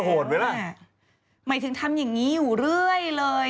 ไหมล่ะหมายถึงทำอย่างงี้อยู่เรื่อยเลย